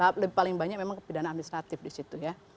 paling banyak memang pidana administratif di situ ya